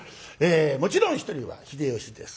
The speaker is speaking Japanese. もちろん一人は秀吉です。